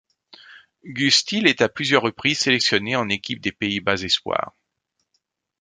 Guus Til est à plusieurs reprises sélectionné en équipe des Pays-Bas espoirs.